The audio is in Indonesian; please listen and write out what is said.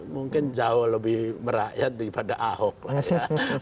mungkin jauh lebih merakyat daripada ahok lah ya